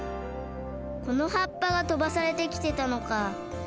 この葉っぱがとばされてきてたのか。